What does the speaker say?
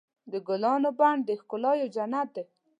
د ګلانو بڼ د ښکلا یو جنت دی.